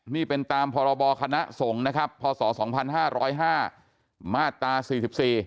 นี่เป็นตามพบคณะส่งนะครับพศ๒๕๐๕มาตร๔๔